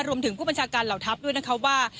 รวมถึงผู้บัญชาการเหล่าทัพด้วยนะคะว่า